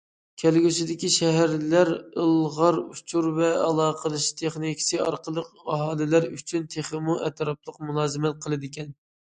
كەلگۈسىدىكى شەھەرلەر ئىلغار ئۇچۇر ۋە ئالاقىلىشىش تېخنىكىسى ئارقىلىق ئاھالىلەر ئۈچۈن تېخىمۇ ئەتراپلىق مۇلازىمەت قىلىدىكەن.